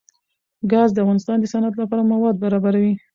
ګاز د افغانستان د صنعت لپاره مواد برابروي.